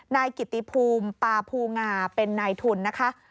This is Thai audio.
นายกิติภูมิปาภูงาเป็นนายทุนนะคะ